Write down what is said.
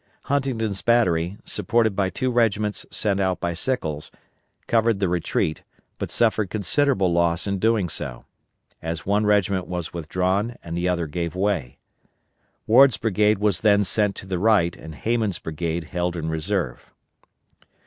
Huntington's battery, supported by two regiments sent out by Sickles, covered the retreat, but suffered considerable loss in doing so, as one regiment was withdrawn and the other gave way. Ward's brigade was then sent to the right and Hayman's brigade held in reserve.